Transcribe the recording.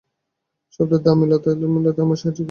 শব্দের ধাঁধা মেলাতে আমায় সাহায্য করতে পারবে।